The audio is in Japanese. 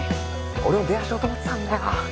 俺も電話しようと思ってたんだよ